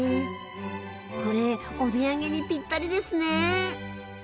これお土産にぴったりですね。